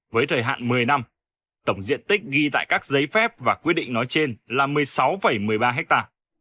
với thời hạn một mươi năm tổng diện tích ghi tại các giấy phép và quyết định nói trên là một mươi sáu một mươi ba ha